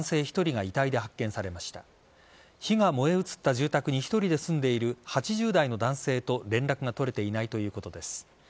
火が燃え移った住宅に１人で住んでいる８０代の男性と連絡が取れていないということです。